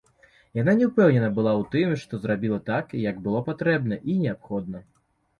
Яна не ўпэўнена была ў тым, што зрабіла так, як было патрэбна і неабходна.